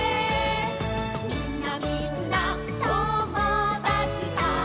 「みんなみんな友だちさ」